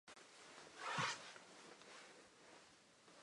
この香水はへんに酢くさい、どうしたんだろう